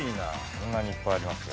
こんなにいっぱいありますよ。